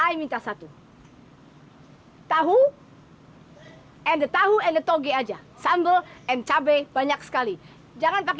i minta satu tahu and tahu and toge aja sambel and cabe banyak sekali jangan pakai